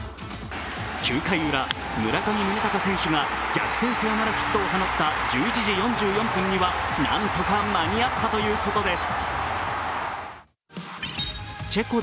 ９回ウラ、村上宗隆選手が逆転サヨナラヒットを放った１１時４４分にはなんとか間に合ったということです。